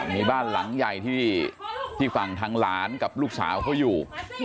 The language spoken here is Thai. มีบ้านหลังใหญ่ที่ฝั่งทางหลานกับลูกสาวเขาอยู่